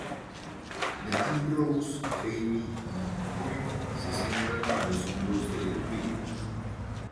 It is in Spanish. En el Team Rose, Amy y Cream se sientan en los hombros de Big.